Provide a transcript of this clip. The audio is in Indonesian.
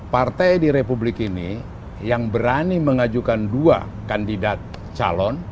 partai di republik ini yang berani mengajukan dua kandidat calon